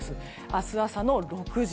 明日朝の６時。